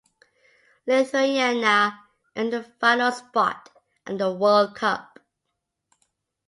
Lithuania earned the final spot at the World Cup.